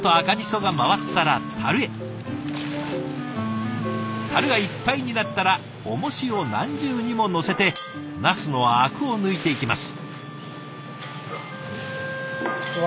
たるがいっぱいになったらおもしを何重にも載せてナスのアクを抜いていきます。